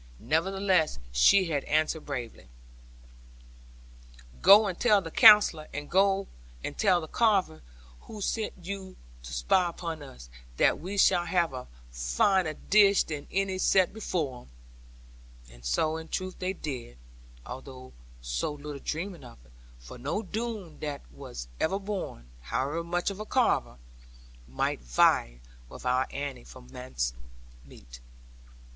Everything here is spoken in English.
Nevertheless she had answered bravely, 'Go and tell the Counsellor, and go and tell the Carver, who sent you to spy upon us, that we shall have a finer dish than any set before them.' And so in truth they did, although so little dreaming it; for no Doone that was ever born, however much of a Carver, might vie with our Annie for mince meat.